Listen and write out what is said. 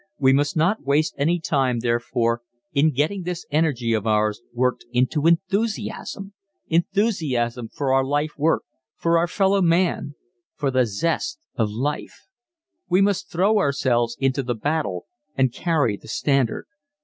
We must not waste any time, therefore, in getting this energy of ours worked into enthusiasm ... enthusiasm for our life work, for our fellow man, for the zest of life. We must throw ourselves into the battle and carry the standard.